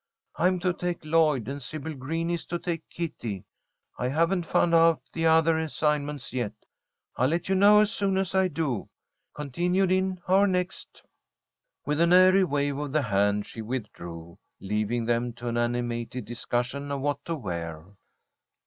I'm to take Lloyd, and Sybil Green is to take Kitty. I haven't found out the other assignments yet. I'll let you know as soon as I do. Continued in our next." With an airy wave of the hand she withdrew, leaving them to an animated discussion of what to wear.